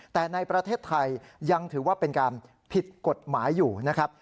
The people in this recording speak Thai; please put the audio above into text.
แต่ในประเทศไทยยังถือว่าเป็นการผิดกฎหมายอยู่นะครับ